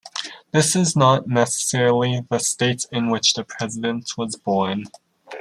This is not necessarily the state in which the president was born.